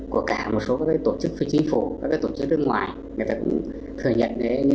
của cả một số các tổ chức phía chính phủ các tổ chức nước ngoài người ta cũng thừa nhận những cái vấn đề như vậy